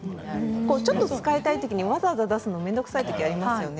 ちょっと使いたい時にわざわざ出すの面倒くさい時ありますよね。